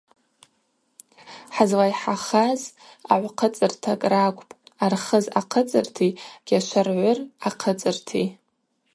Хӏызлайхӏахаз агӏвхъыцӏыртакӏ ракӏвпӏ: Архыз ахъыцӏырти Гьашваргӏвыр ахъыцӏырти.